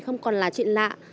không còn là chuyện lạ